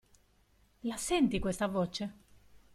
La senti questa voce?